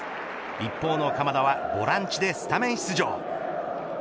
一方の鎌田はボランチでスタメン出場。